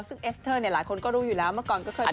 ซึ่งเอสเตอร์เนี่ยหลายคนก็รู้อยู่แล้วเมื่อก่อนก็เคย